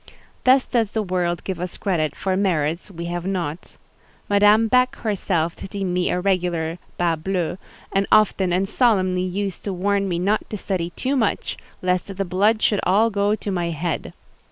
Thus does the world give us credit for merits we have not. Madame Beck herself deemed me a regular bas bleu, and often and solemnly used to warn me not to study too much, lest "the blood should all go to my head."